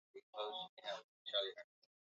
imeona ni vyema kukutembelea